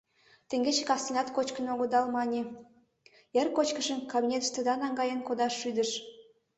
Теҥгече кастенат кочкын огыдал, мане... эр кочкышым кабинетыштыда наҥгаен кодаш шӱдыш.